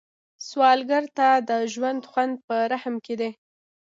سوالګر ته د ژوند خوند په رحم کې دی